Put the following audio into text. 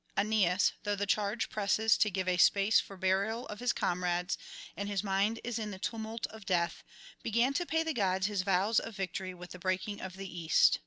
Aeneas, though the charge presses to give a space for burial of his comrades, and his mind is in the tumult of death, began to pay the gods his vows of victory with the breaking of the East.